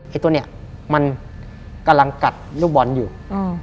ไอ้ตัวเนี่ยมันกำลังกัดรูปบอลอยู่อืม